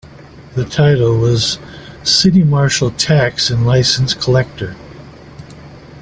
The title was City Marshal, Tax and Licence Collector.